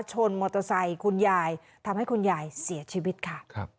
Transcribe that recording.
ชนมอเตอร์ไซค์คุณยายทำให้คุณยายเสียชีวิตค่ะ